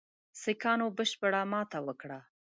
سیکهانو بشپړه ماته وکړه.